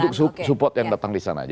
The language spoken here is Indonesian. untuk support yang datang di sana aja